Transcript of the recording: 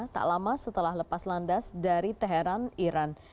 tak lama setelah lepas landas dari teheran iran